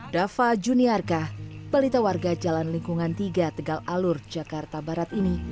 dava juniarka balita warga jalan lingkungan tiga tegal alur jakarta barat ini